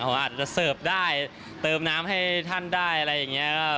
เขาอาจจะเสิร์ฟได้เติมน้ำให้ท่านได้อะไรอย่างนี้